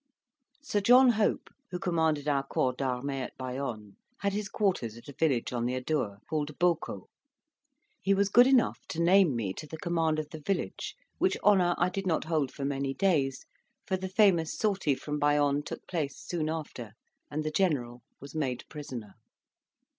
Sir John Hope, who commanded our corps d'armee at Bayonne, had his quarters at a village on the Adour, called Beaucauld. He was good enough to name me to the command of the village; which honour I did not hold for many days, for the famous sortie from Bayonne took place soon after, and the general was made prisoner.